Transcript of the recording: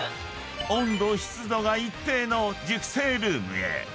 ［温度・湿度が一定の熟成ルームへ］